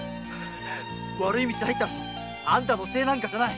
悪い道に入ったのはあんたのせいじゃない。